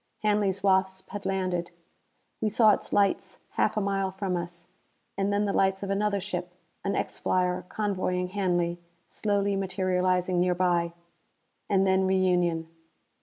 Hanley's Wasp had landed: we saw its lights half a mile from us. And then the lights of another ship an X flyer convoying Hanley slowly materializing nearby. And then reunion.